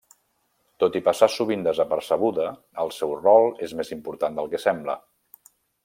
Tot i passar sovint desapercebuda, el seu rol és més important del que sembla.